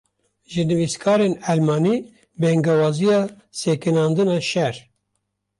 Ji nivîskarên Elmanî, bangewaziya sekinandina şer